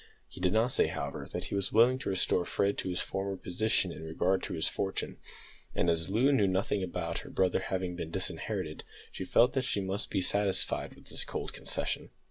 He did not say, however, that he was willing to restore Fred to his former position in regard to his fortune, and as Loo knew nothing about her brother having been disinherited, she felt that she must be satisfied with this cold concession.